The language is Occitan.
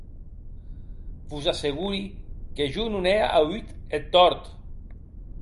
Vos asseguri que jo non n’è auut eth tòrt.